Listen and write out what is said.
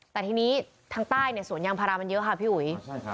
แต่ทีนี้ทางใต้เนี่ยสวนยางพารามันเยอะค่ะพี่อุ๋ย